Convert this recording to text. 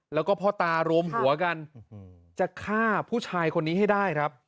แล้วก็พ่อตารวมหัวกันจะฆ่าผู้ชายคนนี้ให้ได้ครับ